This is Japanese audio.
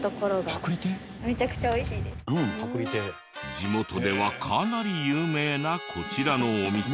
地元ではかなり有名なこちらのお店。